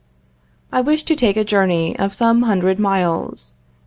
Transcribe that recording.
I wish to take a journey of some hundred miles.